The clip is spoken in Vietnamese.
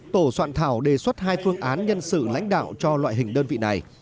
tổ soạn thảo đề xuất hai phương án nhân sự lãnh đạo cho loại hình đơn vị này